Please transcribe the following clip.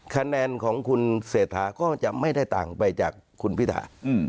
คะแนนของคุณเศรษฐาก็จะไม่ได้ต่างไปจากคุณพิธา